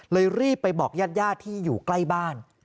รีบไปบอกญาติญาติที่อยู่ใกล้บ้าน